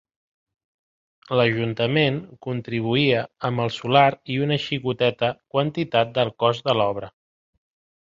L’Ajuntament contribuïa amb el solar i una xicoteta quantitat del cost de l’obra.